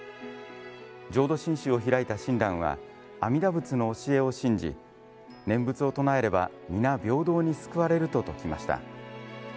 浄土真宗を開いた親鸞は阿弥陀仏の教えを信じ念仏を唱えれば皆平等に救われると説きました。